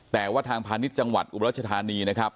แต่ว่าทางพาณิชย์จังหวัดอุบรัชธานีนะครับ